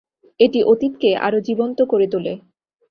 এটি অতীতকে আরো জীবন্ত করে তোলে।